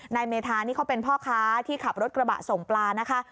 เมธานี่เขาเป็นพ่อค้าที่ขับรถกระบะส่งปลานะคะ